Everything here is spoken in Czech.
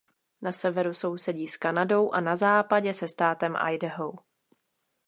Na severu sousedí s Kanadou a na západě se státem Idaho.